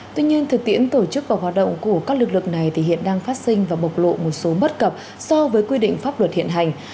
tuy nhiên thực tiễn tổ chức và hoạt động của các lực lượng này hiện đang phát sinh và bộc lộ một số bất cập so với quy định pháp luật hiện hành